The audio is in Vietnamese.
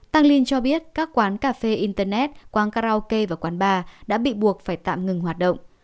tăng linh cho biết các quán cà phê internet quán karaoke và quán bar đã bị buộc phải tạm ngừng hoạt động